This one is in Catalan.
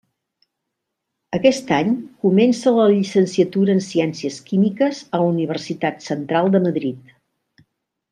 Aquest any comença la llicenciatura en Ciències Químiques a la Universitat Central de Madrid.